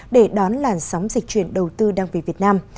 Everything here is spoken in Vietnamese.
để đón làn sóng dịch chuyển đầu tư đang về việt nam